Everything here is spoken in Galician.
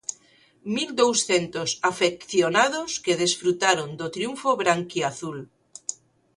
Mil douscentos afeccionados que desfrutaron do triunfo branquiazul.